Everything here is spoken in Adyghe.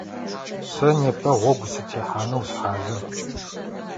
Сэ непэ гъогу сытехьанэу сыхьазыр.